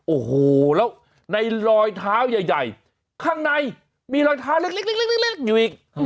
โอ้โหแล้วในรอยเท้าใหญ่ข้างในมีรอยเท้าเล็กอยู่อีก